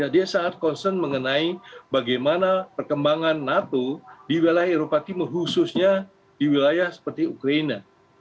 dia sangat concern mengenai bagaimana perkembangan nato di wilayah eropa timur khususnya di wilayah seperti ukraina